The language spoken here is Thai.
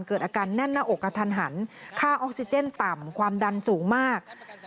เกิดอาการแน่นหน้าอกกระทันหันค่าออกซิเจนต่ำความดันสูงมาก